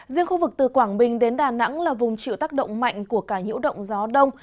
riêng khu vực từ quảng bình đến đà nẵng là vùng chịu tác động mạnh của cả nhiễu động gió đông